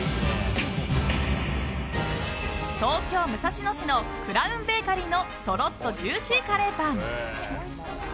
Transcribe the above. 東京・武蔵野市のクラウンベーカリーのとろっとジューシーカレーパン。